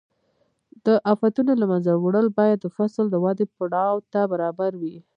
د آفتونو له منځه وړل باید د فصل د ودې پړاو ته برابر وي.